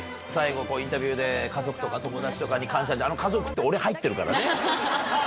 最後インタビューで、家族とか友達とかに感謝って、あの家族って、俺入ってるからね。